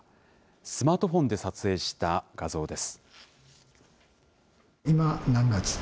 スマートフォンで撮影した画像です。